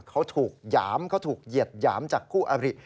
เขาถูกหยามเขาถูกเหยียดหยามจากคู่อบริ